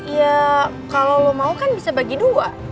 ya kalau lo mau kan bisa bagi dua